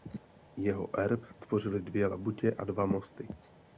Jeho erb tvořily dvě labutě a dva mosty.